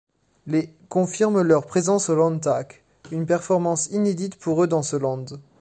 Les confirment leur présence au Landtag, une performance inédite pour eux dans ce Land.